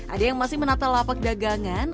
ada yang masih menata lapak dagangan